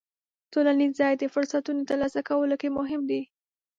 ټولنیز ځای د فرصتونو ترلاسه کولو کې مهم دی.